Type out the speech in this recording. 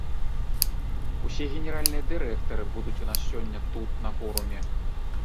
Усе генеральныя дырэктары будуць у нас сёння тут на форуме.